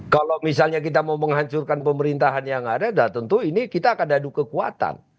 kalau misalnya kita mau menghancurkan pemerintahan yang ada tentu ini kita akan adu kekuatan